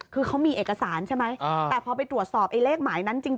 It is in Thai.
คือเขามีเอกสารใช่ไหมแต่พอไปตรวจสอบไอ้เลขหมายนั้นจริง